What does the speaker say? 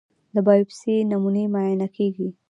د بایوپسي نمونې معاینه کېږي.